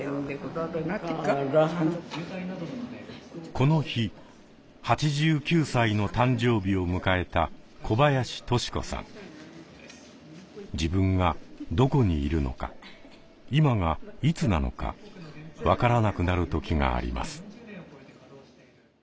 この日８９歳の誕生日を迎えた自分がどこにいるのか今がいつなのか分からなくなる時があります。